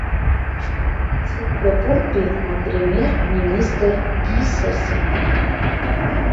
Сингапуртәи апремиер-министр дисасын.